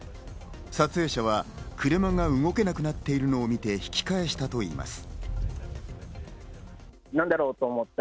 撮影者は車が動けなくなっているのを見て、引き返したといいます。